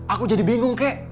aku jadi bingung kek